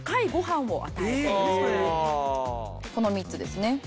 この３つですね。